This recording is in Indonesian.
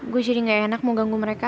gue jadi gak enak mau ganggu mereka